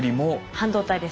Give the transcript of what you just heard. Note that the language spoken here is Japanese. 半導体です。